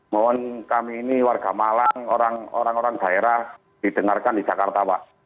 mohon kami ini warga malang orang orang daerah didengarkan di jakarta pak